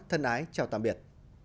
thân ái chào tạm biệt